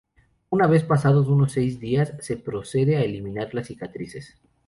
Una vez pasados unos seis días, se procede a eliminar las cicatrices.